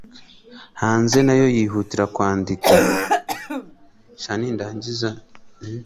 hanze nayo yihutira kwandika